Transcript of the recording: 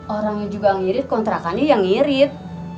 orangnya juga ngirit kontrakannya yang irit